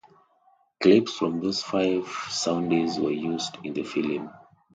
Clips from those five soundies were used in the film.